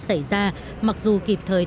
xảy ra mặc dù kịp thời